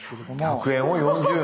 １００円を４０年。